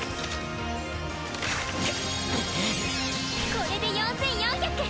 これで４４００！